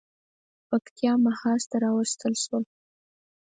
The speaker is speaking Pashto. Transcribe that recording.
پکتیا محاذ ته واستول شول.